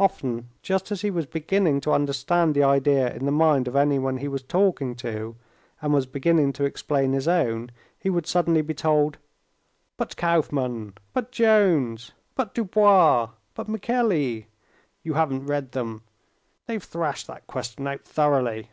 Often, just as he was beginning to understand the idea in the mind of anyone he was talking to, and was beginning to explain his own, he would suddenly be told: "But Kauffmann, but Jones, but Dubois, but Michelli? You haven't read them: they've thrashed that question out thoroughly."